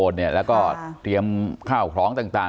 สวัสดีครับ